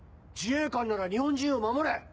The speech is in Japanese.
自衛官なら日本人を守れ！